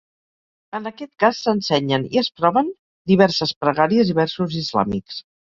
En aquest cas, s'ensenyen i es proven diverses pregàries i versos islàmics.